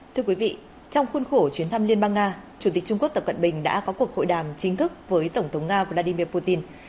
thưa quý vị trong khuôn khổ chuyến thăm liên bang nga chủ tịch trung quốc tập cận bình đã có cuộc hội đàm chính thức với tổng thống nga vladimir putin